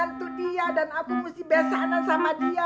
mesti jadi menantu dia dan aku mesti besanan sama dia